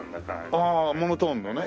ああモノトーンもね。